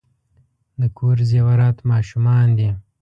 د کور زیورات ماشومان دي .